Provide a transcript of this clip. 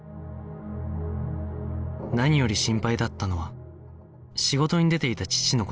何より心配だったのは仕事に出ていた父の事